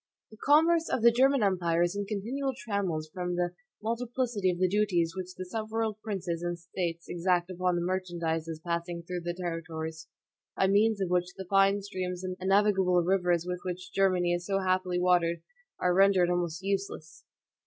"The commerce of the German empire(2) is in continual trammels from the multiplicity of the duties which the several princes and states exact upon the merchandises passing through their territories, by means of which the fine streams and navigable rivers with which Germany is so happily watered are rendered almost useless."